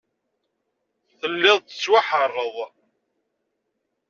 Telliḍ tettwaḥeṛṛeḍ.